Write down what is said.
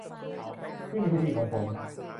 นี่ไม่ใช่ที่ของผม